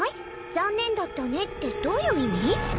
残念だったねってどういう意味？